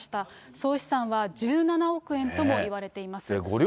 総資産は１７億円ともいわれています。